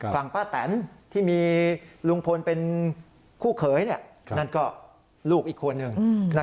ป้าแตนที่มีลุงพลเป็นคู่เขยนั่นก็ลูกอีกคนหนึ่ง